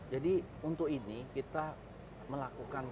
jadi untuk ini kita melakukan terapi